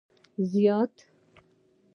زیاته